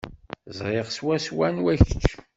Ẓriɣ swaswa anwa kečč.